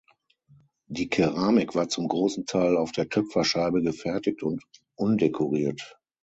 Die Keramik war zum großen Teil auf der Töpferscheibe gefertigt und undekoriert.